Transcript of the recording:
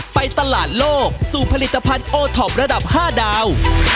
ไปตลาดโลกสู่ผลิตภัณฑ์โอท็อประดับ๕ดาว